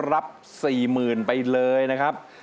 รับ๔๐๐๐ไปเลยนะครับ